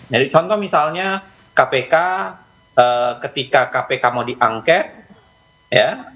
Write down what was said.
jadi contoh misalnya kpk ketika kpk mau diangket ya